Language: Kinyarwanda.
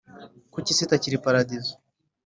Kuki isi itakiri paradizo?